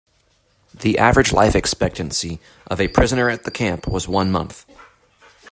The average life expectancy of a prisoner at the camp was one month.